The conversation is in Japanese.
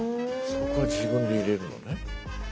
そこ自分で入れるのね。